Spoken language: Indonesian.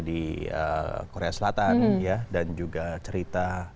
juga cerita bagaimana ayana developer ke itulah